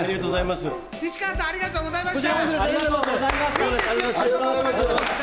西川さん、ありがとうございました。